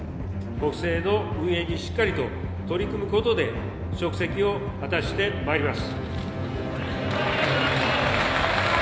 国政の運営にしっかりと取り組むことで、職責を果たしてまいります。